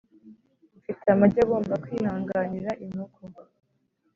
ufite amagi agomba kwihanganira inkoko.